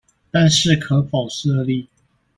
但是可否設立